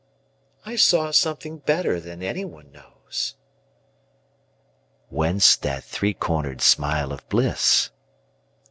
I saw something better than any one knows. Whence that three corner'd smile of bliss?